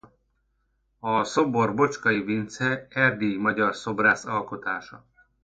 A szobor Bocskai Vince erdélyi magyar szobrász alkotása.